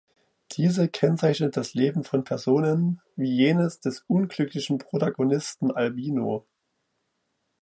Diese kennzeichnet das Leben von Personen wie jenes des unglücklichen Protagonisten Albino.